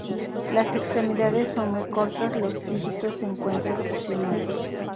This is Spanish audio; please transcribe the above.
Las extremidades son muy cortas; los dígitos se encuentran fusionados.